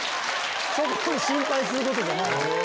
そこ心配することじゃない。